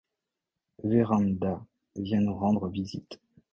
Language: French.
Vérand'a vient nous rendre visite.